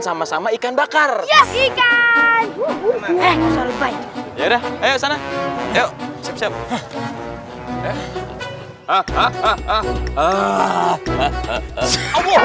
sama sama ikan bakar ya ikan ya udah ayo sana yuk siap siap